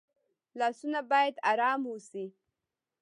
لاسونه باید آرام وشي